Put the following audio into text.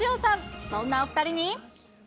そんなお２人に。